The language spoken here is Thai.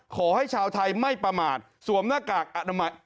ขอให้ชาวไทยไม่ประมาทสวมหน้ากากอนามัย